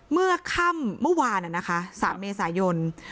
เมื่อค่ำเมื่อวานษามีศาสนิทนนั่ว